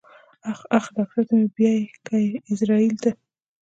اخ اخ ډاکټر ته مې بيايې که ايزرايل ته.